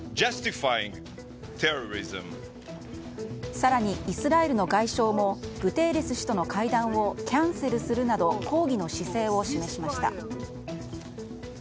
更に、イスラエルの外相もグテーレス氏との会談をキャンセルするなど抗議の姿勢を示しました。